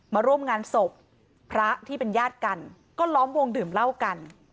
มาร่วมงานศพพระที่เป็นญาติกันก็ล้อมวงดื่มเหล้ากัน